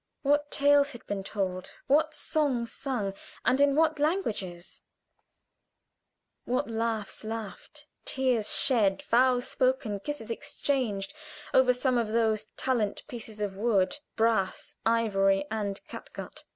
What tales had been told! what songs sung, and in what languages; what laughs laughed, tears shed, vows spoken, kisses exchanged, over some of those silent pieces of wood, brass, ivory, and catgut!